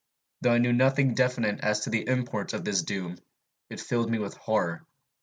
Though I knew nothing definite as to the import of this doom, it filled me with horror.